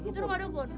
itu rumah dukun